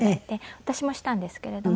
私もしたんですけれども。